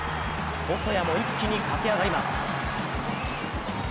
細谷も一気に駆け上がります。